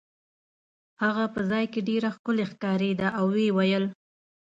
هغه په ځای کې ډېره ښکلې ښکارېده او ویې ویل.